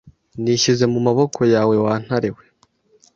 nishyize mu maboko yawe wa ntare we